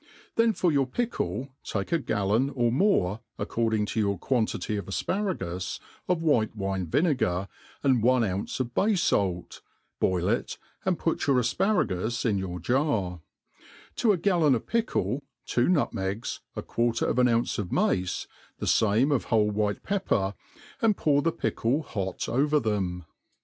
Then for your pickle take a gallon^ ot more, according to your quantity of afparagus^ of white ' wine vinegar, and one ounce of bay falt, boil it, and put your af paragus in your jars to a gallon of pickle, two nutmegs, a quarter of an ounce of mace, the fame of whole white pepper^ and pour the pickle hot over them.